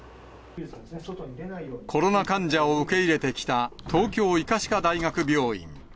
コロナ患者を受け入れてきた東京医科歯科大学病院。